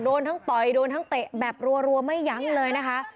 โดนทั้งต่อยโดนทั้งเตะแบบรัวไม่ยั้งเลยนะคะ